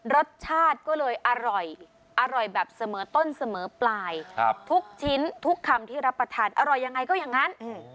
รสชาติก็เลยอร่อยอร่อยแบบเสมอต้นเสมอปลายทุกชิ้นทุกคำที่รับประทานอร่อยยังไงก็อย่างนั้น